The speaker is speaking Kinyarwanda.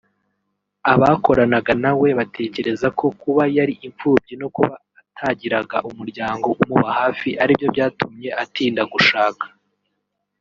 Abakoranaga nawe batekereza ko kuba yari imfubyi no kuba atagiraga umuryango umuba hafi aribyo byatumye atinda gushaka